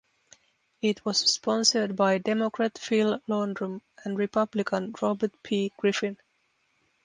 It was sponsored by Democrat Phil Landrum and Republican Robert P. Griffin.